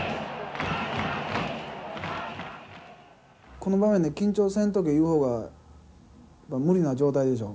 この場面で緊張せんとけいう方が無理な状態でしょ。